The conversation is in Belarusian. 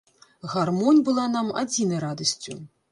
Гармонь была нам адзінай радасцю.